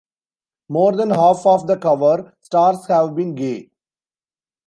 More than half of the cover stars have been gay.